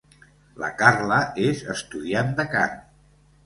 La Carla és estudiant de cant.